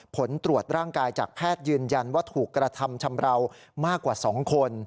ผลตรวจร่างกายจากแพทย์ยืนยันว่าถูกกระทำชำราวมากกว่า๒คน